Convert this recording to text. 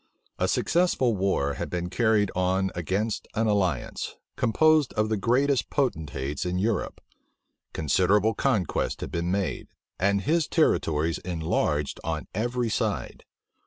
A successful war had been carried on against an alliance, composed of the greatest potentates in Europe. Considerable conquests had been made, and his territories enlarged on every side.